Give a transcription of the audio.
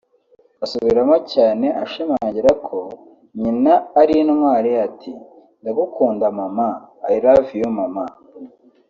" Asubiramo cyane ashimangira ko nyina ari intwari ati "Ndagukunda Mama (I love you Mama)